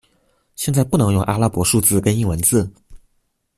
現在不能用阿拉伯數字跟英文字